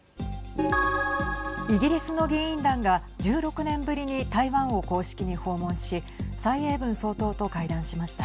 イギリスの議員団が１６年ぶりに台湾を公式に訪問し蔡英文総統と会談しました。